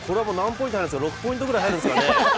これは６ポイントぐらい入るんですかね。